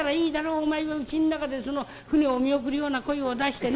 お前はうちの中で船を見送るような声を出してね。